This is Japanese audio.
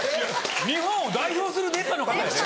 日本を代表する出っ歯の方やで？